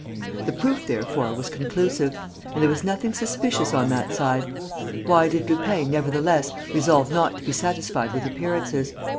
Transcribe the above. The proof, therefore, was conclusive; and there was nothing suspicious on that side. Why did Lupin, nevertheless, resolve not to be satisfied with appearances?